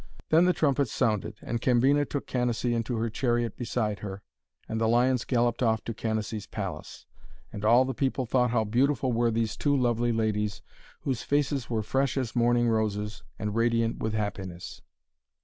Then the trumpets sounded, and Cambina took Canacee into her chariot beside her, and the lions galloped off to Canacee's palace. And all the people thought how beautiful were these two lovely ladies, whose faces were fresh as morning roses and radiant with happiness.